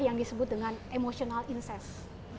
yang disebut dengan emotional insess